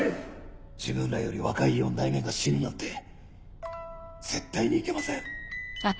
自分らより若い四代目が死ぬなんて絶対にいけません。